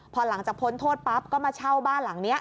พอหลังจากพ้นโทษปั๊บก็มาเช่าบ้านหลังนี้